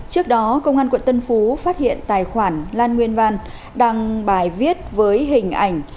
trước đó công an quận tân phú phát hiện tài khoản lan nguyên văn đăng bài viết với hình ảnh